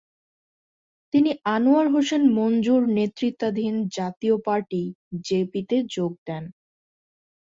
তিনি আনোয়ার হোসেন মঞ্জুর নেতৃত্বাধীন জাতীয় পার্টি-জেপিতে যোগ দেন।